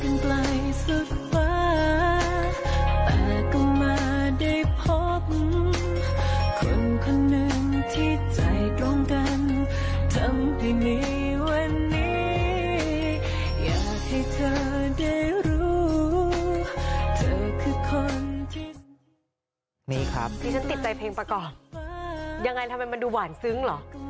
นี่ครับที่ฉันติดใจเพลงประกอบยังไงทำไมมันดูหวานซึ้งเหรอ